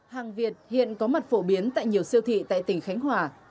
hàng việt hiện có mặt phổ biến tại nhiều siêu thị tại tỉnh khánh hòa